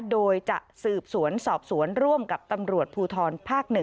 โดยจะสืบสวนสอบสวนร่วมกับตำรวจภูทรภาค๑